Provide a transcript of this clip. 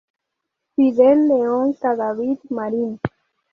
Fidel León Cadavid Marín.